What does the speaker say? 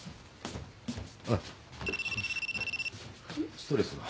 ストレスが。